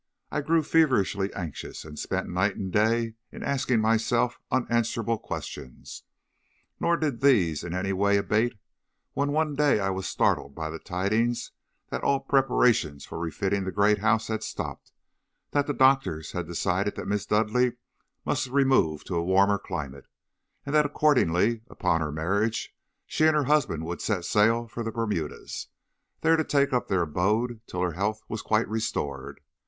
I grew feverishly anxious, and spent night and day in asking myself unanswerable questions. Nor did these in any way abate when one day I was startled by the tidings that all preparations for refitting the great house had stopped; that the doctors had decided that Miss Dudleigh must remove to a warmer climate, and that accordingly upon her marriage she and her husband would set sail for the Bermudas, there to take up their abode till her health was quite restored.